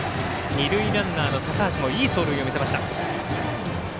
二塁ランナーの高橋もいい走塁を見せました。